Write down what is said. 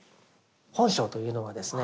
本性というのはですね